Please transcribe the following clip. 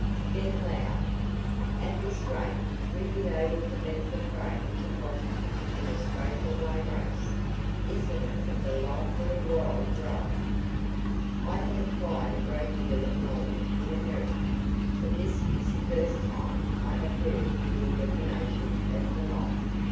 Then aloud: "At this rate we'd be able to beat the train to Washington in a straight away race. Isn't it a delightfully wild ride?" "I have acquired a great deal of knowledge in America, but this is the first time I have heard your definition of delight.